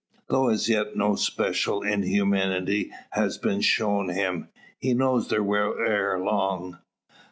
Though as yet no special inhumanity has been shown him, he knows there will ere long.